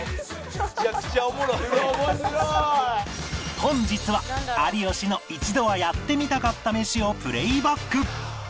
本日は有吉の一度はやってみたかったメシをプレイバック